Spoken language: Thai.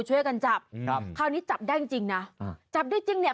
ช่วยกันจับครับคราวนี้จับได้จริงจริงนะอ่าจับได้จริงเนี่ย